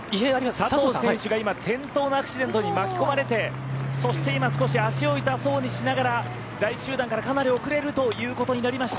佐藤選手が今、転倒のアクシデントに巻き込まれて、そして今、少し足を痛そうにしながら第１集団からかなり遅れるということになりました。